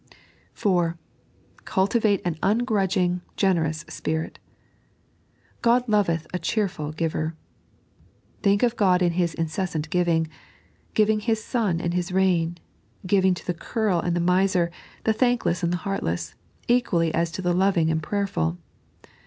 (4) CvitvoaU an ungrudging, generoue spirit. " Qod loveth a cheerful giver," Think of God in His incessant giving. Giving His sun and His rain ; giving to the charl and the miser, the thankless and heartless, equally as to the loving and prayerful.